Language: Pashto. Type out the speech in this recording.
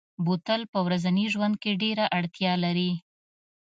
بوتل په ورځني ژوند کې ډېره اړتیا لري.